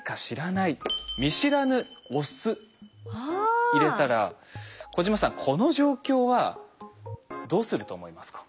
見知らぬオス入れたら小島さんこの状況はどうすると思いますか？